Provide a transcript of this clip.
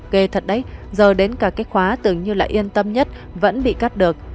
ghê thật đấy giờ đến cả cái khóa tưởng như là yên tâm nhất vẫn bị cắt được